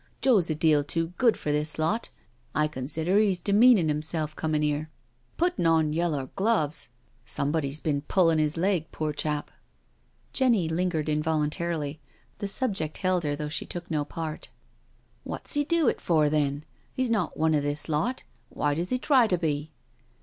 " Joe's a deal too good for this lot — I consider he's demeanin' 'imself comin' here. Puttin' on yellow gloves I Somebody's been puUin' his leg, poor chap I" Jenny lingered involuntarily. The subject held her though she took no part. " Wot's he do it for, then? He's not one of this lot^why does he try to be?"